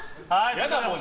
やだ、もう。